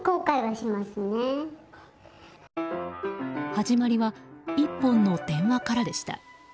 始まりは１本の電話からでした。